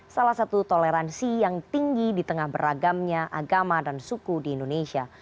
salah satu toleransi yang tinggi di tengah beragamnya agama dan suku di indonesia